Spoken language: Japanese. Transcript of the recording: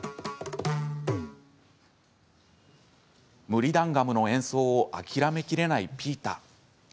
ムリダンガムの演奏を諦めきれないピーター。